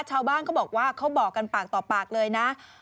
ชาวบ้านเขาบอกว่าเขาบอกกันปากต่อปากเลยนะ